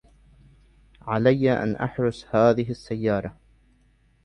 عليّ أن أحرس هذه السّيّارة.